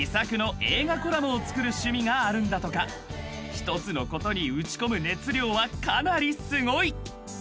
［一つのことに打ち込む熱量はかなりすごい］